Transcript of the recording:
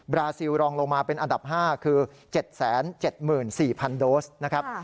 ราซิลรองลงมาเป็นอันดับ๕คือ๗๗๔๐๐โดสนะครับ